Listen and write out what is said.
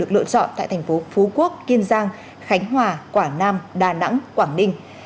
lựa chọn tại thành phố phú quốc kiên giang khánh hòa quảng nam đà nẵng quảng ninh